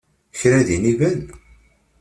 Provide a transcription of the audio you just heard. Kra din iban?